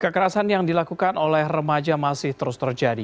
kekerasan yang dilakukan oleh remaja masih terus terjadi